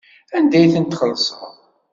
Anda ay ten-txellṣeḍ?